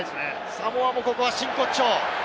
サモアは、ここは真骨頂。